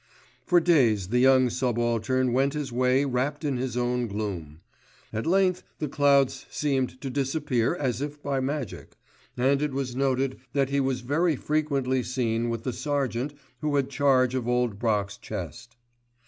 For days the young subaltern went his way wrapped in his own gloom. At length the clouds seemed to disappear as if by magic, and it was noted that he was very frequently seen with the sergeant who had charge of Old Brock's chest.